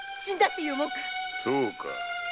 そうか。